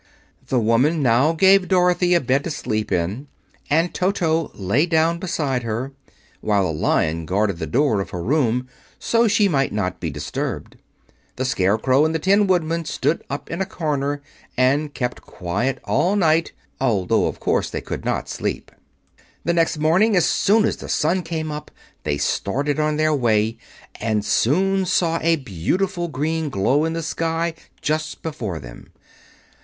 The woman now gave Dorothy a bed to sleep in, and Toto lay down beside her, while the Lion guarded the door of her room so she might not be disturbed. The Scarecrow and the Tin Woodman stood up in a corner and kept quiet all night, although of course they could not sleep. The next morning, as soon as the sun was up, they started on their way, and soon saw a beautiful green glow in the sky just before them.